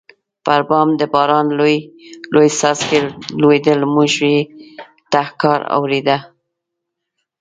پر بام د باران لوی لوی څاڅکي لوېدل، موږ یې ټکهار اورېده.